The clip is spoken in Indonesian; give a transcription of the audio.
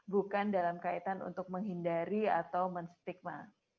bukan dalam kaitan untuk menghindari atau menstigma